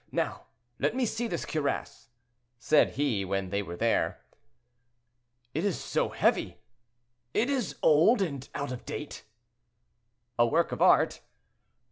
Now, let me see this cuirass," said he, when they were there. "It is so heavy." "It is old and out of date." "A work of art."